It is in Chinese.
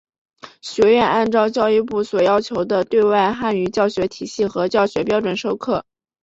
学院按照教育部所要求的对外汉语教学体系和教学标准授课。